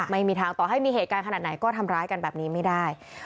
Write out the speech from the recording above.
ไม่มีทางต่อให้มีเหตุการณ์ขนาดไหนก็ทำร้ายกันแบบนี้ไม่ได้